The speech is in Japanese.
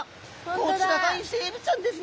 こちらがイセエビちゃんですね。